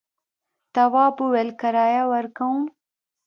تواب وویل کرايه ورکوم.